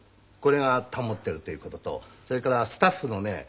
これが保ってるという事とそれからスタッフのね